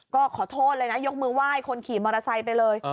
ก็ขอโทษเลยนะยกมือไหว้คนขี่มอเตอร์ไซค์ไปเลย